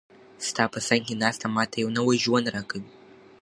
ستا په څنګ کې ناسته، ما ته یو نوی ژوند راکوي.